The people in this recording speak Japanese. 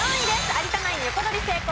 有田ナイン横取り成功。